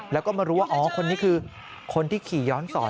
แล้วก็มารู้ว่าอ๋อคนนี้คือคนที่ขี่ย้อนสอน